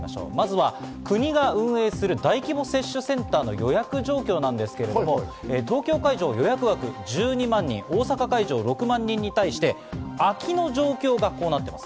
国が運営する大規模接種センターの予約状況ですが、東京会場の予約枠１２万、大阪会場６万人に対して空きの状況がこうなっています。